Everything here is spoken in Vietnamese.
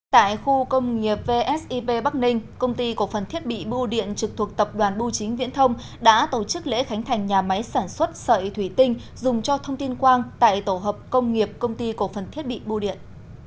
tại khu công nghiệp vsep bắc ninh công ty cổ phần thiết bị bưu điện trực thuộc tập đoàn bưu chính viễn thông đã tổ chức lễ khánh thành nhà máy sản xuất sợi thủy tinh dùng cho thông tin quang tại tổ hợp công nghiệp công ty cổ phần thiết bị bưu điện